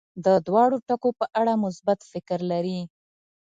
د دواړو ټکو په اړه مثبت فکر لري.